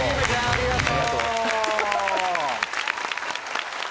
ありがとう。